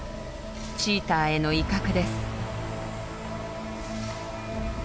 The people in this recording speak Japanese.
チーターへの威嚇です。